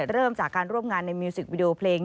เริ่มจากการร่วมงานในมิวสิกวิดีโอเพลง